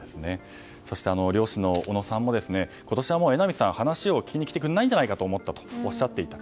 そして、漁師の小野さんも今年は榎並さん、話を聞きに来てくれないんじゃないかと思ったとおっしゃっていた。